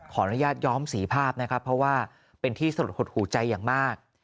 ขออนุญาตย้อมสีภาพนะครับเพราะว่าเป็นที่สลดหดหูใจอย่างมาก